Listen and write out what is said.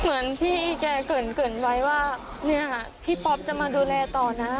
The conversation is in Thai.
เหมือนพี่แก่เกริ่นไว้ว่าพี่ป๊อบจะมาดูแลต่อนะ